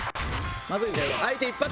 まずいぞ！